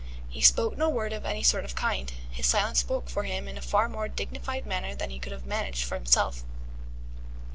He spoke no word of any sort or kind: his silence spoke for him in a far more dignified manner than he could have managed for himself.